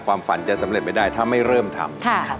ความฝันจะสำเร็จไม่ได้ถ้าไม่เริ่มทำ